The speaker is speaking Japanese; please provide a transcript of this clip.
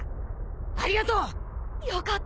ありがとう！よかった。